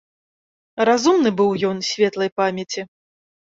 Разумны быў ён, светлай памяці.